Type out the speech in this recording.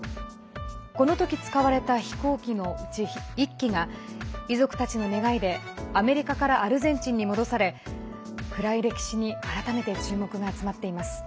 この時、使われた飛行機のうち１機が遺族たちの願いでアメリカからアルゼンチンに戻され暗い歴史に改めて注目が集まっています。